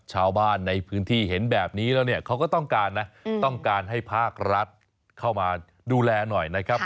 ชาวบ้านในพื้นที่เห็นแบบนี้แล้วเนี่ยเขาก็ต้องการนะต้องการให้ภาครัฐเข้ามาดูแลหน่อยนะครับ